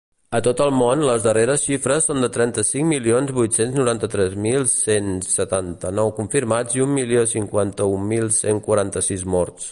A tot el món, les darreres xifres són de trenta-cinc milions vuit-cents noranta-tres mil cent setanta-nou confirmats i un milió cinquanta-un mil cent quaranta-sis morts.